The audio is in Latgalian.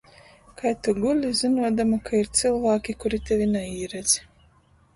Kai tu guli, zynuodama, ka ir cylvāki, kuri tevi naīredz?